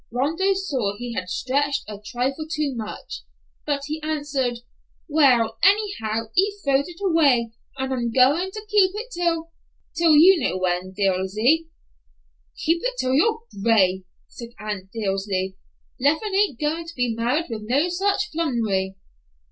Rondeau saw he had stretched a trifle too much, but he answered, "Well, anyhow, he throwed it away, and I'm goin' to keep it till—till, you know when, Dilsey." "Keep it till you're gray," said Aunt Dilsey. "Leffie ain't goin' to be married with no such flummery."